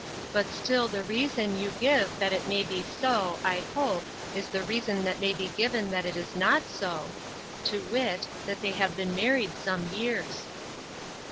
—But still the reason you give that it may be so, I hope, is the reason that may be given that it is not so; to wit, that they have been married some years.